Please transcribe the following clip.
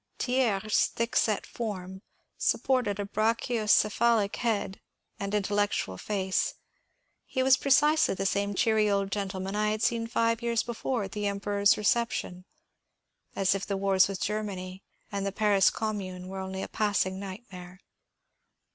Thiers' thickset form supported a brachyo cephalic head and intellectual face. He was precisely the same cheery old gentleman I had seen five years before at the Emperor's reception, as if the wars with Germany and the Paris Commune were only a passing nightmare.